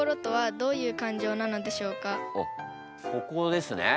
あっここですね。